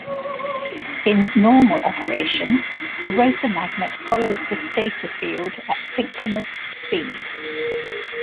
In normal operation the rotor magnet follows the stator field at synchronous speed.